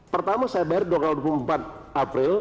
pertama saya bayar dua puluh empat april